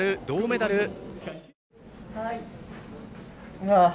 銅メダル。